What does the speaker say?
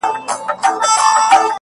ستړى په گډا سومه ـچي ـستا سومه ـ